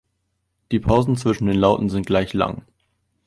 Die Pausen zwischen den Lauten sind gleich lang.